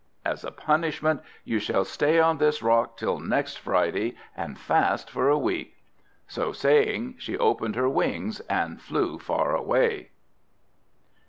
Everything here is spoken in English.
As a punishment, you shall stay on this rock till next Friday, and fast for a week!" So saying, she opened her wings and flew far away.